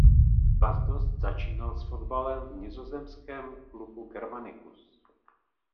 Bas Dost začínal s fotbalem v nizozemském klubu Germanicus.